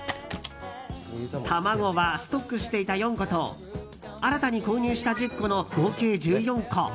卵はストックしていた４個と新たに購入した１０個の合計１４個。